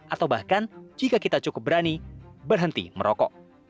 atau bahkan jika kita cukup berani berhenti merokok